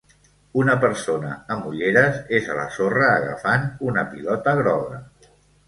Una persona amb ulleres és a la sorra agafant una pilota groga.